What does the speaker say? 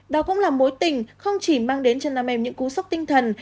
đó cũng là mối tình không chỉ mang đến cho nam em những cú sốc tinh thần